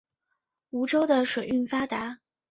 梧州的水运发达。